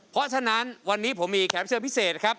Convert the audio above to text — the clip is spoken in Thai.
เพราะฉะนั้นวันนี้ผมมีแขกเชิญพิเศษครับ